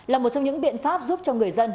là một trong những biện pháp giúp cho người dân